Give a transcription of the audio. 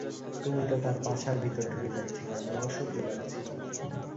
তুমি তো তার পাছার ভিতর ঢুকে যাচ্ছিলে, আমার অসহ্য লাগছিল।